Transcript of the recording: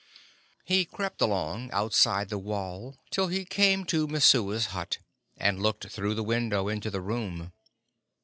He crept along outside the wall till he came to Messua's hut, and looked through the window into the room.